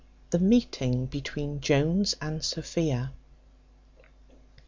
The meeting between Jones and Sophia.